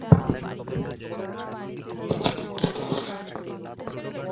এখান থেকে বেরোতে এখন টাইম মেশিন দরকার।